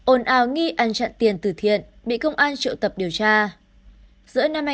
ba ôn ào nghi ăn chặn tiền từ thiện bị công an triệu tập điều tra